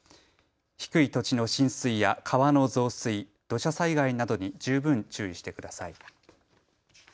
低い土地の浸水や川の増水、土砂災害などに十分注意してください。